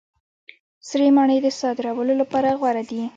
سرې مڼې د صادرولو لپاره غوره دي.